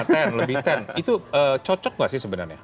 ten lebih ten itu cocok nggak sih sebenarnya